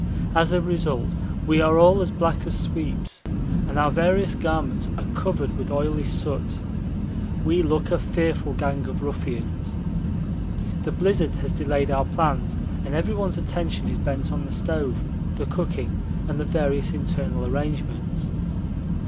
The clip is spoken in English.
As a result we are all as black as sweeps and our various garments are covered with oily soot. We look a fearful gang of ruffians. The blizzard has delayed our plans and everyone's attention is bent on the stove, the cooking, and the various internal arrangements.